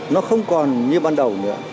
nó không còn như ban đầu nữa